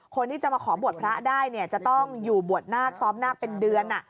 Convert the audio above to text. คนที่จะมาขอบวชพระได้เนี่ยจะต้องอยู่บวชนาคซ้อมนาคเป็นเดือน